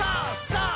さあ！